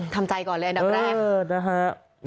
ทำใจก่อนเลยอันดับแรกนะฮะ